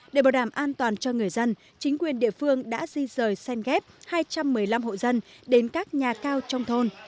để bảo đảm an toàn cho người dân chính quyền địa phương đã di rời sen ghép hai trăm một mươi năm hộ dân đến các nhà cao trong thôn